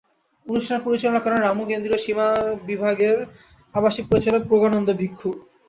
অনুষ্ঠান পরিচালনা করেন রামু কেন্দ্রীয় সীমা বিহারের আবাসিক পরিচালক প্রজ্ঞানন্দ ভিক্ষু।